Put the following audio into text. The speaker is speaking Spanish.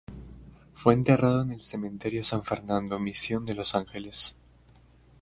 Fue enterrado en el Cementerio San Fernando Mission de Los Ángeles.